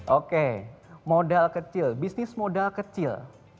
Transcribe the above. oke modal kecil bisnis modal kecil